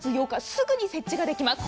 すぐに設置ができます。